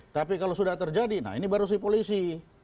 tapi kalau sudah terjadi nah ini baru si polisi